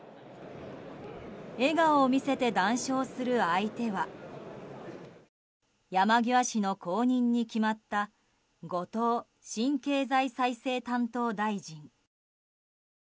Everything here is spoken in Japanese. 笑顔を見せて談笑する相手は山際氏の後任に決まった後藤新経済再生担当大臣。